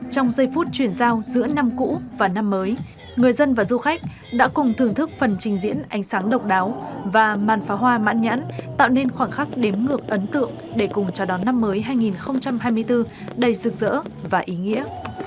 trong giây phút chuyển giao giữa năm cũ và năm mới người dân và du khách đã cùng thưởng thức phần trình diễn ánh sáng độc đáo và màn phá hoa mãn nhãn tạo nên khoảng khắc đếm ngược ấn tượng để cùng chào đón năm mới hai nghìn hai mươi bốn đầy rực rỡ và ý nghĩa